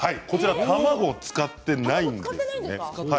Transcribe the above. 卵を使ってないんです。